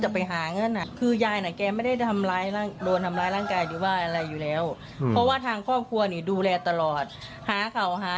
ฉันไม่เคยเห็นมากันครั้งเดียวเลย